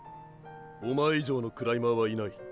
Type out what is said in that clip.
おまえ以上のクライマーはいない。